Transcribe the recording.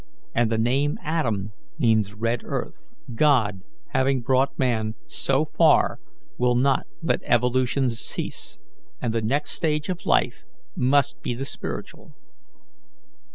and the name Adam means red earth. God, having brought man so far, will not let evolution cease, and the next stage of life must be the spiritual."